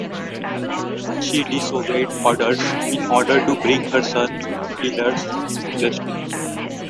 She disobeyed orders in order to bring her son's killers to justice.